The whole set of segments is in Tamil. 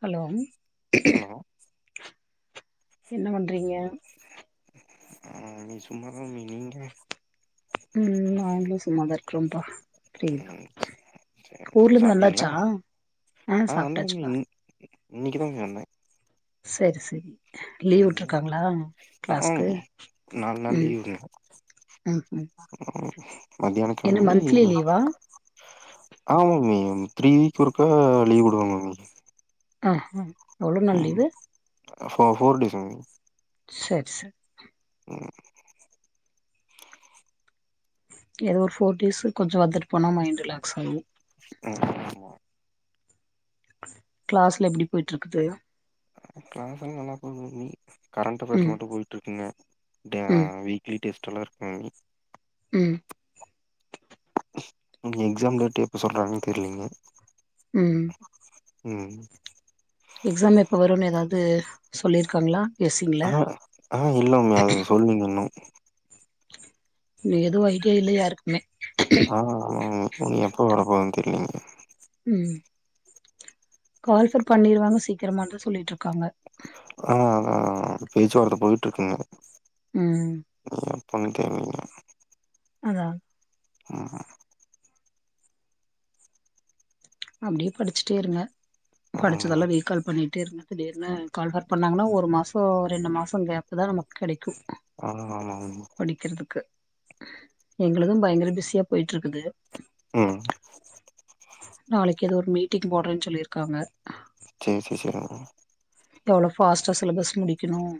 ஹலோ ஹலோ என்ன பண்றீங்க [unintelligible] சும்மாதா மம்மீ நீங்க ம் ம் நாங்ளு சும்மாதா இருக்குரோம்பா ஃப்ரீதா, ம் சரி ஊர்லருந்து சாப்ட்டீங்களா வந்தாச்சா, ஆ சாப்டாச்சு பா இன்னிக்கிதா மம்மீ வந்தே சரி சரி உம் ஆமா கிளாஸ்க்கு மம்மீ நாள் நாளு ம் லீவுங்க ம் ம் அ ம் மத்தியானோ என்ன கெழம்பி மந்த்லி லீவா ஆமா மீ த்ரீ வீக் ஒருக்கா லீவ் விடுவாங்க மீ. ஆஹ்ஹா எவ்ளோ நாள் லீவு? போ போர் டேஸ் மம்மி சரி சரி ம் ஏதோ ஒரு ஃபோர் டேஸ்சு கொஞ்சம் வந்துட் போனா மைண்டு ரிலாக்ஸ்ஸாகும். உம் ஆமா க்ளாஸ்லா எப்டி போயிட்ருக்குது? க்ளாஸ்லா நல்லா போது மம்மி கரண்ட் பேர் ம் மட்டும் போயிட்ருக்குங்க, டே ம் வீக்லி டேஸ்ட்லா இருக்கு மம்மி உம் எக்ஸாம் டேட்டு எப்போ சொல்றாங்கன்னு தெரியலிங்க. உம் உம் எக்ஸாம் எப்ப வருனு எதாவது சொல்லிருக்காங்ளா? எசிம்ல ஆ ஆ இல்ல மம்மி அது சொல்லீங்க இன்னு இங்க எதும் ஐடியா இல்ல யாருக்குமே. ஆஹ் ஆமா உ நீ எப்ப வரப்போர வீட்ல நீங்க கால்பர் பண்ணிருவாங்க சீக்கிரமானுதா சொல்லிட்ருக்காங்க ஆஹ் அதான் பேச்சுவார்த்த போயிட்டுருக்குங்க ம் பண் தேவையில்ல. அதான் முஹும் அப்டியே படிச்சுிட்டே இருங்க ம் படிச்சதெல்லாம் ரீகால் பண்ணிட்டேருங்க திடீர்னு கால்ப பண்ணாங்கன்னா ஒரு மாசம் ரெண்டு மாசம் கேப் தான் நமக்கு கிடைக்கும் ஆஹ் ஆமாமா எங்களுதும் பயங்கர பிஸியா போயிட்டு இருக்குது உம் நாளைக்கு ஏதோ ஒரு மீட்டிங் போடுறேன்னு சொல்லியிருக்காங்க சரி சரி சரி எவ்வளோ பாஸ்ட்டா சிலபஸ் முடிக்கணும்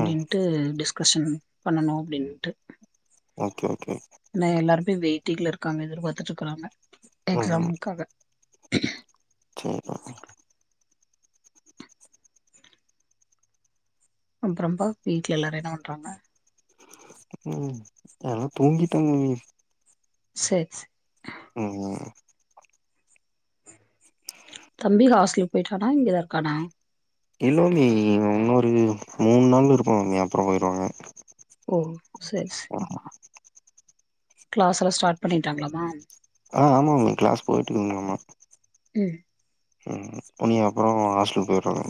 ம் எக்கஷன் பண்ணனும் அப்படின்ட்டு ஓகே ஓகே. என்னாஎல்லாருமே வெயிட் வைட்டிகல இருக்காம எதிர்பார்த்துட்டு இருக்காங்க எக்ஸாம்க்காக [inaudible] சேரி [unintelligible] அப்றம்பா வீட்ல எல்லாரு என்ன வண்றாங்க உம் எல்லா தூங்கிடாங்கங்க சேர் ச உம் தம்பி ஹாஸ்டலுக்கு போயிட்டானா இங்கதா இருக்கானா இல்லண்ணி இவ உன்னோரு வியு மூண் நாள் இருப்பாங்க அப்பற போயிருவாங்க ஓ செரி செ கிளாஸ் எல்லா ஸ்டார்ட் பண்ணிட்டாங்களாமா ஆஹ் ஆமாங்கண்ணி கிளாஸ் போயிட்டுதா வந்தானாமா உம் உம் தொன்னி அப்பற ஹாஸ்டல் போய்றதாங்க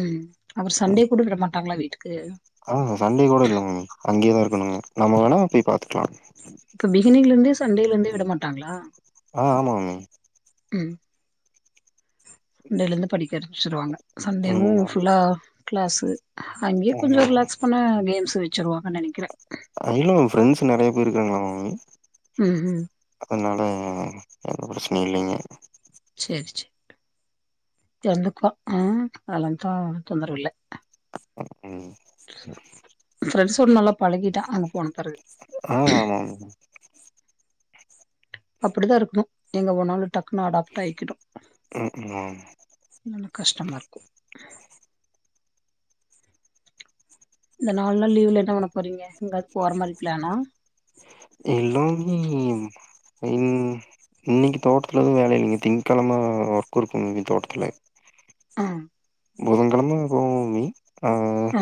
உம் அவர் சண்டே கூட விட மாட்டாங்களா வே ஆ சண்டே கூட இல்லங்க அங்கேயேதா இருக்காங்க நம்ம வேணா போய் பாத்துக்லா இ விட மாட்டாங்களா ஆஹ் ஆமாங்க உம் இன்னைலருந்து படிக்கிற ச்சுருவாங்க சண்டேவு ம் ஃபுல்லா கிளாஸு அங்கே கொஞ்ச ரிலாக்ஸ் பண்ண கேம்ஸ் வெச்சுருவா அ இல்ல மேம் ஃப்ரெண்ட்ஸ் நெறைய பேரு இருக்காங்களா மேம் ம் ம் அதனால எந்த பிரச்சனையு இல்லைங்க தெந்துக்கு ஆஹ் அலன்த்தா தொந்தரவு இல்ல உம் ஃப்ரெண்ட்ஸோட நல்லா பழகிட்டா அங்க போணு ஆ ஆமாங் அப்டிதா இருக்கணு எங்க போனாலு டக்குன்னு அடாப்ட் ஆயிக்கனு ம் ம். இல்லனா கஷ்டமா இருக்கு இந்த நாலு நாள் லீவ்ல என்ன பண்ண போறீங்க எங்காது போற மாரி பிளானா எல்லாமே உம் உம் இன்னைக்கு தோட்த்துல எது வேல இல்ல திங்கெழம ஒர்க் இருக்கு இனி தோட்டத்துல ஆஹ் புதங்கெழம போவோமே ஆஹ் ஆ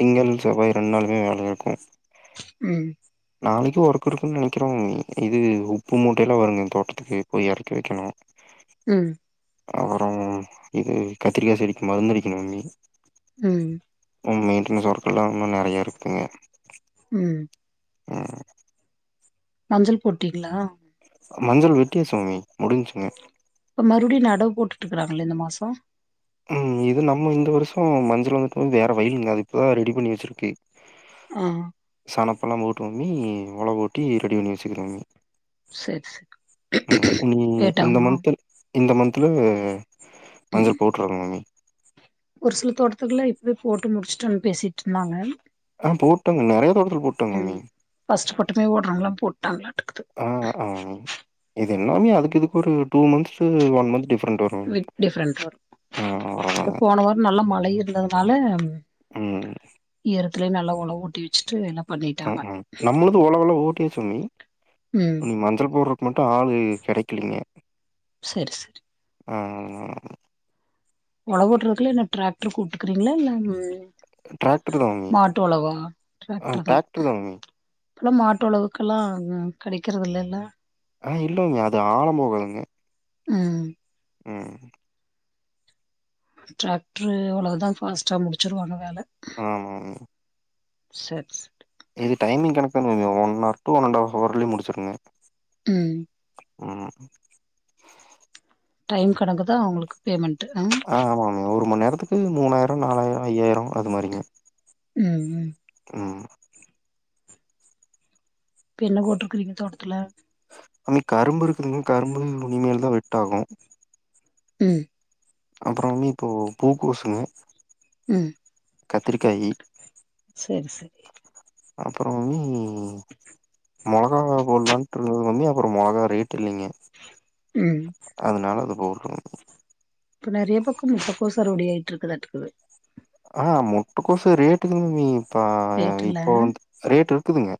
திங்கள் செவ்வாய் ரெண்ட் நாளுமே வேல இருக்கு உம் நாளைக்கு ஒர்க் இருக்குன்னு நினைக்கிறோங் இது உப்பு மூட்டையலா வருங் தோட்டத்துக்கு போயி எறக்கி வெக்கணு ம் அப்புறோ இது கத்திரிக்கா செடிக்கு மருந்து அடிக்கணுங் அண்ணி ம் இன்னு மெயின்டெனன்ஸ் ஒர்க்கெல்லா இன்னு நெறயா இருக்குங்க உம் ம் மஞ்சள் போட்டீங்ளா மஞ்சள் வெட்டியாசு மம்மி முடிஞ்ச்சுங்க இப்ப மறுபடியு நடவு போட்டுட்டு இருக்கறாங்ளா இந்த மாசோ உம் இது நம்ம இந்த வருஷொ மஞ்சள் வந்துட்டு வேற வயலுங்க அது இப்பதா ரெடி பண்ணி வச்சிருக்கு ஆ அனப்புலா போட்டுண்ணி ஒலவோட்டி ரெடி பண்ணி வச்சிக்கிறோம்ங்க சேர் சேர் நீ இந்த லேட்டாகுமா மந்த்து இந்த மந்த்ல ம் ம் அண்ணி ஒரு சில தோட்டத்துக்குலா இப்வே போட்டு முடிச்சுட்டோன் பேசிட்ருந்தாங்க ஆ போட்டுங் நெறையா தோட்டத் ம் ஃபஸ்ட் பட்டமே ஓட்றாங்லா போட்டாங்ளாட்ருக்குது ஆ ஆ மம்மி இது எல்லாமே அதுக்கு இதுக்கு ஒரு two months one month different வரு மம்மி டுவிக் டிஃப்ரென்ட் வரு ஆ அது அவ்ளோதாங்க போன வாரொ நல்லா மழை இருந்தது னால ம் நில்த்திலே நல்ல ஒலவோட்டி வச்சிட்டு எலா நம்ளது ஒலவுல ஓட் டீசுனி ம் மஞ்சள் போட்றக்கு மட்டூ ஆளு கெடைக்கலியே செரி செரி ஆஹ் ஒழவு விட்டுறக்குலா என்ன ட்ராக்டர் கூப்டுக்குறீங்களா இல்ல உன் ட்ரக்டர் தாங் ஆ டிராக்டர் தா ட்ரக்டர் தாங் மேம் இப்பல்லா மாட்டு ஒழவுக்கெல்லா ம் கெடைக்கிறது இல்லல்ல ஆ இல்லைங்க அது ஆழோ போகாதுங்க ம் உம் ட்ரக்ட்ரு அவ்ளோதா ஃபாஸ்டா முடிச்சுடுவாங்க வேல ஆமா மாமி. சர் ஸ்ட் இது டைமிங் கணக்கு தானங்க one R two and half அவர்லேய முடிச்சுருங்க உம் உம் டைம் கணக்கு தா உங்களுக்கு பேமெண் ஆ ஆமாமா ஒரு மணி நேரத் துக்கு மூணாயிரோ நாலாயிரோ ஐயாயிரோ அது மாரிங்க ம் ம் ம் இப்ப என்ன போட்டுருக்றீங்க தோட்டத்துல ம் கரும்பு இருக்குதுங்கா கரும்பு உனிமேல தா வெட்டாகூ ம் அப்றோ நீபோ பூக்கோசுங்க ம் கத்திரிக்காயி செரி செரி அப்புறம் ம் மொளகா போடலான்ட்டுருந்தேங்க அப்றோ மொளகா ரேட் டில்லைங்க ம் அத்னால அது போட் சரவெடியா ஆயிட்ருக்குது அட்டுக்குது ஆ மொட்டுக்கோசூ ரேட்டு கம்மி பா ரேட்டுல்ல இப்போ வந்துட் ரேட்டு குதுங்க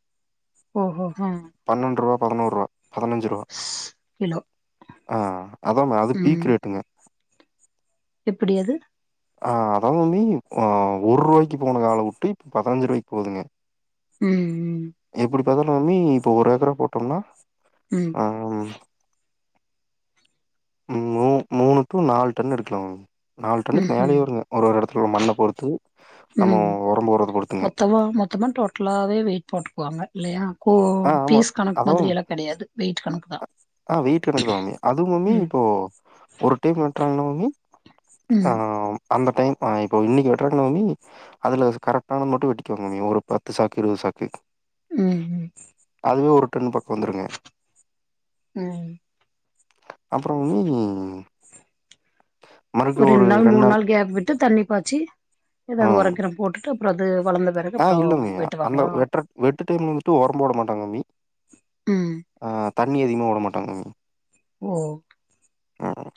ஓஹோ ஹ்ம் பதினோரூவா பதினஞ்சு ரூவா கிலோ ஆ அதாம அது பீக் ம் ரேட்டுங்க எப்டி அது ஆ அதாவ் நீ ஆ ஒரு ரூவாய்கு போன காலோ விட்டு இப்ப பதினஞ்சு ரூவாய்க்கு போகுதுங்க ம் ம் எப்டிப் புரியல ம்ச் இன்னும் மூணு டூ நாலு டன்னு எடுக்கலாமே நாலு டன்னுக்கு ம் மேலேயே ம் எடுத்துட்டு வர மண்ணை பொறுத்து ம் புல்லாவே வெயிட் போட்டுக்குவாங்க இல்லையா ஓ பீஸ் கணக்கு மாதிரி எல்லாம் தெரியாது வெயிட்பண்ணு ஆஹ் வீட்டு கணக்கு தான் கம்மி அதுவும் கம்மி ம் இப்போ ஒரு டைம் கட்டுறாங்கன்னா ம்க் ம் ஹாம் அந்த டைம் இப்போ இன்னைக்கு வெட்டுறமமி அதுல கரெக்ட்டானது மட்டும் வட்டிக்குவாங்கி ஒரு பத்து சாக்கு இருவது சாக்கு உம் அதுவே ஒரு டன் பக்கம் வந்துருங்க ம் அப்புற உம்ம் ஒரு ரெண்டு நாள் மூண் நாள் கேப் விட்டு தண்ணி பாச்சு ஆ ஏதாவது உரங்கிறம் போட்டுட்டு பட் புரியல ஆ இல்லங்கையா அந்த வெட்றடைம்ல உறம் போடமாட்டாங்க மம்மி ம் தண்ணி அதிகமா விட மாட்டாங்க ஓக் வேற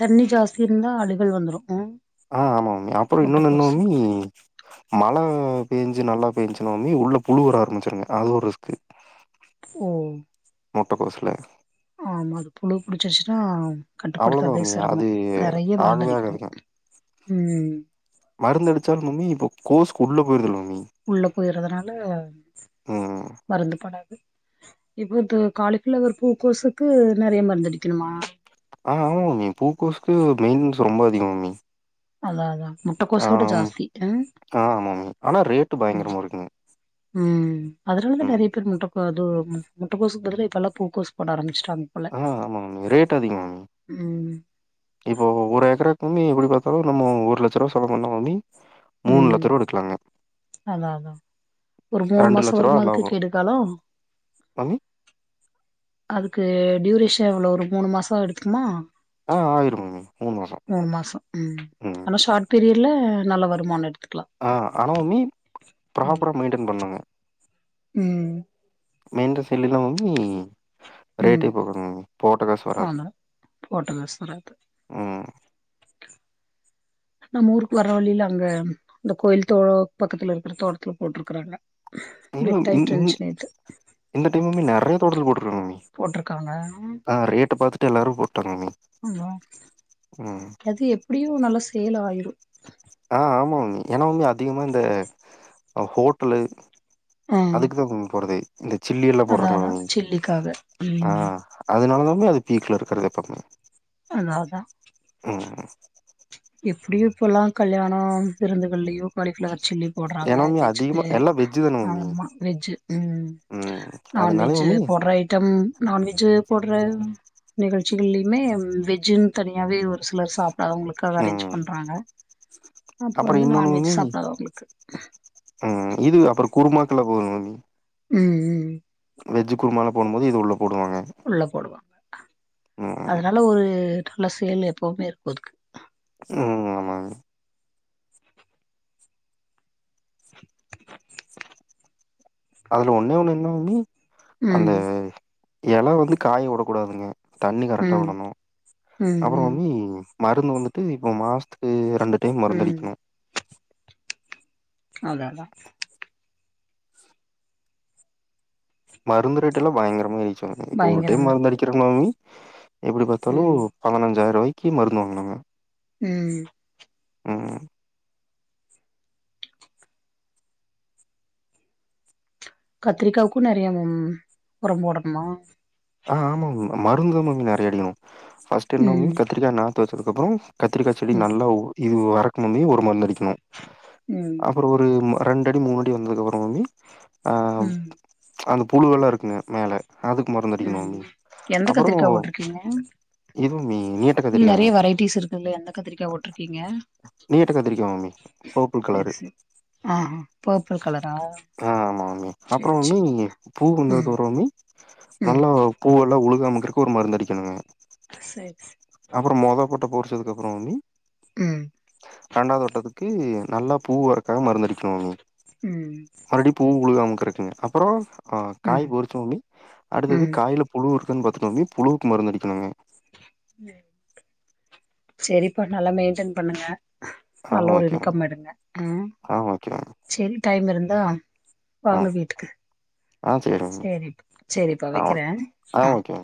தண்ணி ஜாஸ்தி இருந்தா அழிதல் வந்துரும் ஆஹ் ஆமா அப்புறம் இன்னொன்னு இன்னொன்னு இன்ன ச் மழை பேஞ்சு நல்லா பேஞ்சோனமே உள்ள புழுவர ஆரம்பிச்சிருங்க அது ஒரு ரிஸ்கு ஓ முட்டைகோசுல ஆமா அது புழு புடிச்சிருச்சின்னா அவ்ளவுதான் இனியா அது மருந்து ஆகவே அடிக்கணு ஆகாதுங்க ம் மருந்து அடிச்சாலும் கோசுக்கு உள்ள போயிருக்கும் உள்ள போறதுனால ம் மருந்து போகாது இப்ப காலிபிளவருக்கு ஒரு கோசுக்கு நிறைய மருந்து அடிக்கணுமா ஆஹ் ஆமா மேம் பூக்கோசுக்கு மெயின்டன்ஸ் ரொம்ப அதிகம் மேம் அழாதுதான் முட்டக்கோசோட ஜாஸ்தி ஆ ஆமாம்மி ஆனா ரேட்டு பயங்கரமா இருக்குங்க உம் அதனாலதான் ம் நிறைய பேர் முட்டைக்கோசு முட்டக்கோசு இப்பல்லாம் பூக்க ஆரம்பச்சிடுச்சு ஆமா மேம் ஆமா ரேட் அதிகம் மேம் ம் இப்போ ஒரு ஏக்க மம்மி எப்படி பார்த்தாலும் நம்ம ஒரு ஓலச்சரூவா செலவு பண்ணா மம்மி மூணு லட்சருவா எடுக்கலாங்க அதான் அதான் ஒரு மூணு ரெண்டு மாசம் லட்ச ரூவா வருமா அதுக்கு லாபோ கேடுக்காலோ மாமி அதுக்கு டியூரேஷன் எவ்ளோ ஒரு மூணு மாசம் எடுத்துக்குமா ஆஹ் ஆயிரு [unintelligible] மூணு மாசம் உம் ஆனா ஷார்ட் பீரியட் ல நல்ல வருமானம் எடுத்து ஆஹ் ஆன [unintelligible] ப்ராப்பரா மெயின்டென் பண்ணுங்க உம் மெயண்ட [unintelligible] ரேட்டே ம் போ [unintelligible] போட்டகாஸ்வராது ஆமா போட்டுங்க உம் நம்ம ஊருக்கு வர்ற வழியில அங்க அந்த கோயில் தோ பக்கத்துல இருக்கிற தோட்டத்துல போட்டிருக்கறாங்க [unintelligible] இ இந்த டைமுமே நெறைய தொடல் போடு [unintelligible] போட்ருக்காங்க அ ரேட்ட பாத்து [unintelligible] ஆமா ம் அது எப்டியு நல்ல சேல் ஆயிரும் ஆஹ் ஆமா மம்மி ஏனா மம்மி அதிகமா இந்த ஹோட்டலு ஆ அதுக்குதா [unintelligible] போறது இந்த சில்லி எல்லா அதா போடுறாங்களா அதா மம்மி சில்லிக்காக ம் ஆஹ் அதனாலதா அது பீக்ல இருக்கறது எப்பமே [unintelligible] உம் எப்டியோ இப்பலா கல்யாணம் விருந்துகள்லயோ [unintelligible] சில்லி போடுறாங்க ஏன்னா மம்மி வெஜ்க்கு அதிகமா எல்லா வெஜ்ஜு தான மம்மி ஆமாம் வெஜ்ஜு ம் அதனால நான்வெஜ்ஜு மம்மி போடுற ஐட்டம் நான்வெஜ்ஜு போடுற நிகழ்ச்சிகள்லயுமே வெஜ்ஜுன்னு தனியாவே ஒரு சிலர் சாப்டாதங்க உம் அப்ப அப்புறம் வந்து இன்னொன்னு நான்வெஜ் மம்மி சாப்டாதவங்களுக்கு ம் இது அப்புறம் குருமாக்கல போது மம்மி உம் உம் வெஜ் குருமால போடும்போது இது உள்ள போடுவாங்க உள்ள போடுவாங்க ம் அதனால ஒரு நல்ல செயல் எப்பவுமே இருக்கும் அதுக்கு உம் ஆமா [unintelligible] அதுல ஒன்னே ஒண்ணு என்ன மம்மி அந்த ம் எல வந்து காய உடக்கூடாதுங்க தண்ணி கரெக்டா ம் விடணும் ம் அப்புற ம் வம் மருந்து வந்துட்டு இப்போ மாசத்துக்கு ரெண்டு டைம் ம் மருந்தடிக்கணும் [unintelligible] மருந்து ரேட்டு எல்லாம் பயங்கரமா ஏறி ச இப்ப ஒரு டைம் பயங்கரமா மறந்து இருக்கு அடிக்கிறா மாமி எப்படி பார்த்தாலும் ம் பதினஞ்சாயிர ரூபாய்க் கீ மருந்து வாங்னாங்க உம் உஹ் கத்திரிக்காவுக்கும் நிறைய உரம் போடணமா ஆஹ் ஆமா மருங்தூத மாமி நிறைய அடிக்கணும் பஸ்ட என்னோ ம் கத்திரிக்கா நாத்து அதுக்கப்புறம் கத்திரி செடி ம் நல்லா இது வறக்கும் முன்னையே ஒரு மருந்தடிக்கணும் ம் [unintelligible] அப்பறோ ஒரு ரெண்டு அடி மூணடி வந்ததுக்கப்றோ மாமி ஆஹ் ம் அனுப் புழுவெல்லா இருக்குங்க மேல அதுக்கு மட் உம் எந்த கத்திரிக்கா போட்ருக்கீங்க இது மாமி நீட்ட இல்ல நெறைய கத்திரிக்காங்க வெரைட்டிஸ் இருக்குல்ல எந்த கத்திரிக்கா போட்ருக்கீங்க நீட்ட கத்திரிக்கா மாமி பர்பிள் செரி கலரு செரி ஆஹ் ஆஹ் பப்பிள் கலரா அப்பறோ சேரி மாமி சேரி பூ ம் வந்ததுக்கப்பறோ மாமி ம் நல்லா பூ எல்லா உழுகாமிக்கிறக்கு ஒரு மருந்து அடிக்கணுங் [unintelligible] சேரி சேரி அப்பறோ மொத [unintelligible] பொறிச்சதுக்கப்பறோ மாமி உம் ரெண்டாவ் தோட்டத்துக்கு நல்லா பூ வரக்காக மருந்தடிக்கணு மாமி உம் உழுகாமிக்கருக்குங்க அப்பறோ ஆஹ் காய் பொறிச்சு மாமி அடுத்தது ம் காய்ல புழு இருக் கா பாத்துக்கோங்மி புழுவுக்கு மருந்து அடிக்கணுங்க செரிப்பா நல்லா மெய்ன்டன் பண்ணுங்க ஆ நல்ல ஒரு ஓகே மாமி இன்கம் எடுங்க ம் ஆ ஓகே மாமி செரி டைம் இருந் தா ஆ வாங்க வீட்டுக்கு ஆ சேரி மாமி செரி செரிப்பா ஆ வெக்கறே ஓகே ஆ ஆஹ் ஓகே மாமி